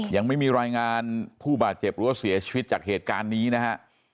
ยังไม่มีรายงานผู้บาดเจ็บหรือว่าเสียชีวิตจากเหตุการณ์นี้นะฮะ